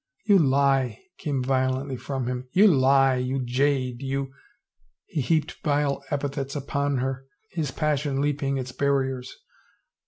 "You lie," came violently from him. "You lie, you jade, you —" He heaped vile epithets upon her, his passion leaping its barriers.